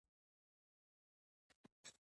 د یوې پېښې ښودنه